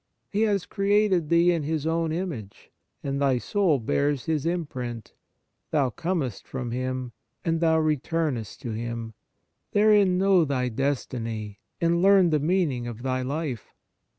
He has created thee in His own image, and thy soul bears His imprint. Thou comest from Him, and thou re turnest to Him. Therein know thy destiny, and learn the meaning of thy life.